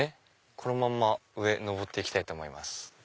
このまんま上上っていきたいと思います。